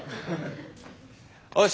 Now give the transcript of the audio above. よし！